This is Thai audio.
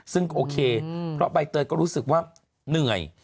ซึ่งโอเคเพราะใบเตยก็รู้สึกว่าเหนื่อย